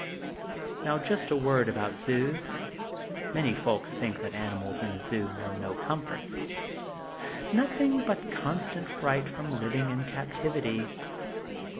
Now just a word about zoos. Many folks think that animals in a zoo know no comforts; nothing but constant fright from living in captivity.